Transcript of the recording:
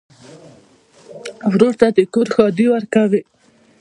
ورور ته د کور ښادي ورکوې.